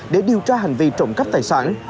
để điều tra hành vi trộm cắp tài sản